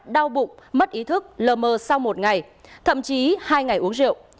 đau bụng mất ý thức lờ mờ sau một ngày thậm chí hai ngày uống rượu